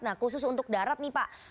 nah khusus untuk darat nih pak